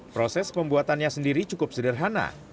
proses pembuatannya sendiri cukup sederhana